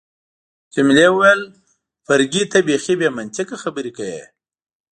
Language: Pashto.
جميلې وويل: فرګي، ته بیخي بې منطقه خبرې کوي.